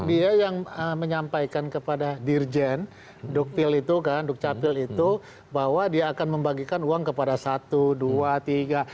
dia yang menyampaikan kepada dirjen duk capil itu bahwa dia akan membagikan uang kepada satu dua tiga